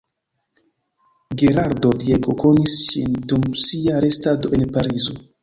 Gerardo Diego konis ŝin dum sia restado en Parizo.